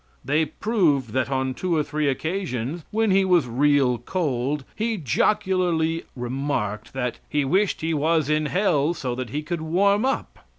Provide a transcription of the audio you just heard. They proved that on two or three occasions, when he was real cold, he jocularly remarked that he wished he was in hell, so that he could warm up.